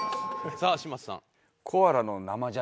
さあ嶋佐さん。